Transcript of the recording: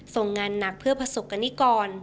ส่งงานหนักเพื่อประสบกรณิกร